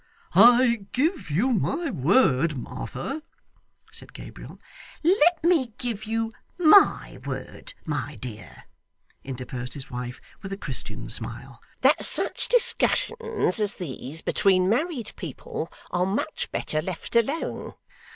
'I give you my word, Martha ' said Gabriel. 'Let me give you MY word, my dear,' interposed his wife with a Christian smile, 'that such discussions as these between married people, are much better left alone.